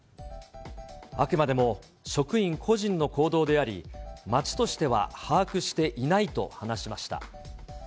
あくまでも職員個人の行動であり、町としては把握していないと話しました。